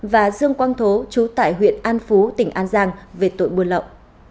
và dương quang thố trú tại huyện an phú tỉnh an giang về tội buôn lậu